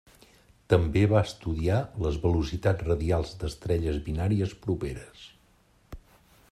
També va estudiar les velocitats radials d'estrelles binàries properes.